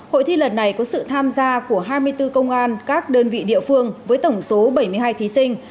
hội thi lần này có sự tham gia của hai mươi bốn công an các đơn vị địa phương với tổng số bảy mươi hai thí sinh